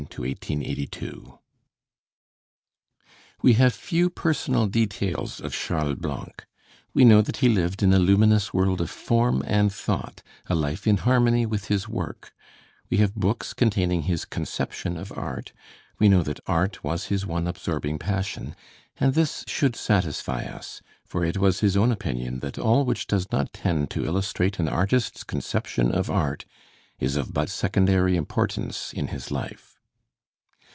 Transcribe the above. CHARLES BLANC (1813 1882) We have few personal details of Charles Blanc. We know that he lived in a luminous world of form and thought, a life in harmony with his work; we have books containing his conception of art; we know that art was his one absorbing passion: and this should satisfy us, for it was his own opinion that all which does not tend to illustrate an artist's conception of art is of but secondary importance in his life.